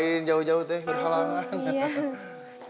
kirain jauh jauh nek berhalangan